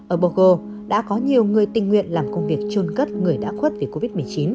ở bogo đã có nhiều người tình nguyện làm công việc trôn cất người đã khuất vì covid một mươi chín